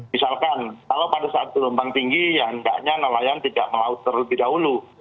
misalkan kalau pada saat gelombang tinggi ya hendaknya nelayan tidak melaut terlebih dahulu